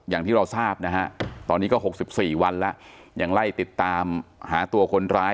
อย่างที่เราทราบนะฮะตอนนี้ก็๖๔วันแล้วยังไล่ติดตามหาตัวคนร้าย